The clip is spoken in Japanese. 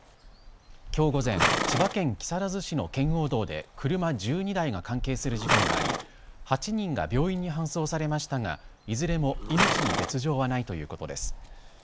きょう午前、千葉県木更津市の圏央道で車１２台が関係する事故があり８人が病院に搬送されましたがいずれも命に別状はないということです。